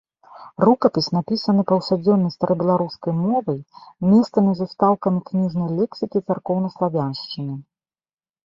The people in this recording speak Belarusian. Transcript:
Рукапіс напісаны паўсядзённай старабеларускай мовай, месцамі з устаўкамі кніжнай лексікі і царкоўнаславяншчыны.